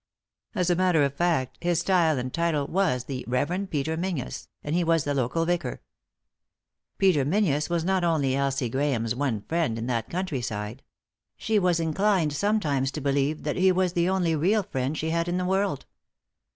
As a matter of fact, his style and title was the Rev. Peter Menzies, and he was the local vicar. Peter Menzies was not only Elsie Grahame's one friend in that countryside — she was inclined sometimes 78 3i 9 iii^d by Google THE INTERRUPTED KISS to believe that he was the only real friend she had in the world.